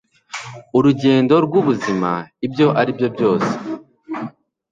urugendo rwubuzima, ibyo aribyo byose